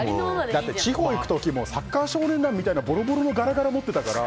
だって、地方行く時もサッカー少年団みたいなボロボロのガラガラ持ってたから。